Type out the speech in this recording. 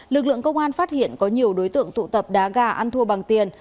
lực lượng công an phát hiện có nhiều đối tượng tụ tập đá gà ăn thua bằng tiền